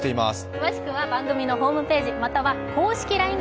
詳しくは番組のホームページまたは公式ＬＩＮＥ